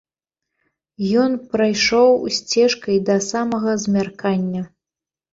Ён прайшоў сцежкай да самага змяркання.